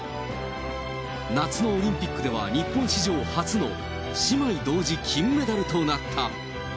夏のオリンピックでは日本史上初の姉妹同時金メダルとなった。